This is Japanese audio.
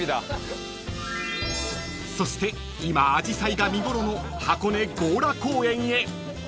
［そして今あじさいが見頃の箱根強羅公園へ］